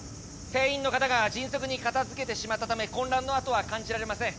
店員の方が迅速に片づけてしまったため混乱の跡は感じられません。